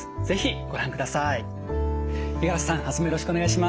是非ご覧ください。